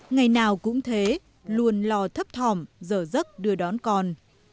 ngày nào cũng thế luôn lo thấp thỏm dở dấc đưa đón con